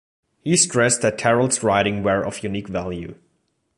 He stressed that Tarle's writings were of unequal value.